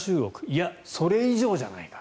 いや、それ以上じゃないか。